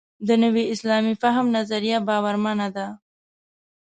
د نوي اسلامي فهم نظریه باورمنه ده.